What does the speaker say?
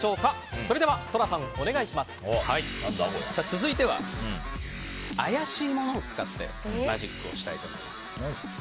それではＳＯＲＡさん続いては、怪しいものを使ってマジックをしたいと思います。